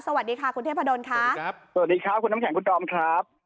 สวัสดีค่ะคุณเทพดนค่ะสวัสดีครับสวัสดีครับคุณน้ำแข็งคุณดอมครับ